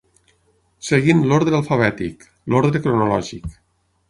Seguint l'ordre alfabètic, l'ordre cronològic.